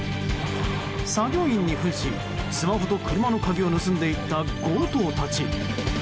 作業員に扮し、スマホと車の鍵を盗んでいった強盗たち。